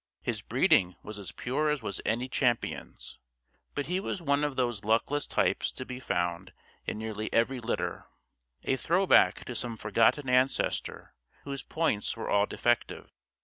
His breeding was as pure as was any champion's, but he was one of those luckless types to be found in nearly every litter a throwback to some forgotten ancestor whose points were all defective.